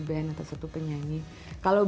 band atau satu penyanyi kalau